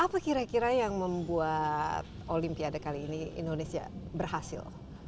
apa kira kira yang membuat olimpiade kali ini indonesia berhasil